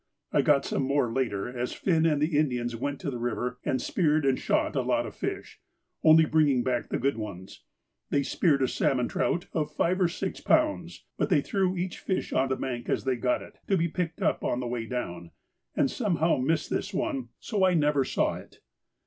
I got some more later, as Finn and the Indians went to the river and speared and shot a lot of fish, only bringing back the good ones. They speared a salmon trout of five or six pounds, but they threw each fish on the bank as they got it, to be picked up on the way down, and somehow missed this one, so I never saw it.